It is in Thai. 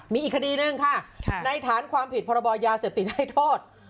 มีอีกคดีหนึ่งค่ะในฐานความผิดพรบยาเสพติดให้โทษ